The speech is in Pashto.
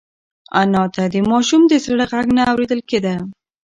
انا ته د ماشوم د زړه غږ نه اورېدل کېده.